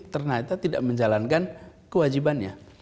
ternyata tidak menjalankan kewajibannya